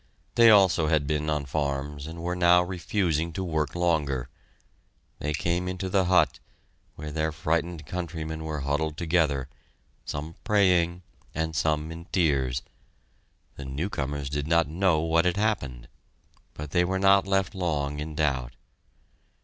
They also had been on farms, and were now refusing to work longer. They came into the hut, where their frightened countrymen were huddled together, some praying and some in tears. The newcomers did not know what had happened. But they were not left long in doubt.